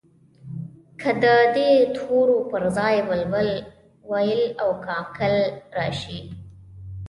که د دې تورو پر ځای بلبل، وېل او کاکل راشي.